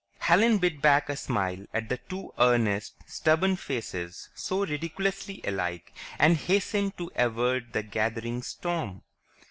Helen bit back a smile at the two earnest, stubborn faces so ridiculously alike, and hastened to avert the gathering storm.